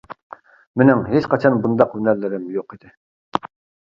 مېنىڭ ھېچقاچان بۇنداق ھۈنەرلىرىم يوق ئىدى.